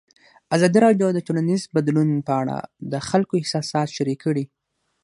ازادي راډیو د ټولنیز بدلون په اړه د خلکو احساسات شریک کړي.